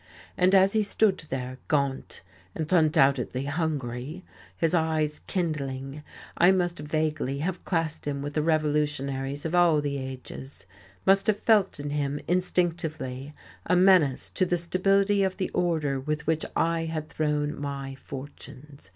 And as he stood there, gaunt and undoubtedly hungry, his eyes kindling, I must vaguely have classed him with the revolutionaries of all the ages; must have felt in him, instinctively, a menace to the stability of that Order with which I had thrown my fortunes.